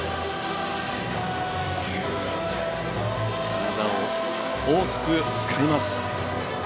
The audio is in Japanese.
体を大きく使います。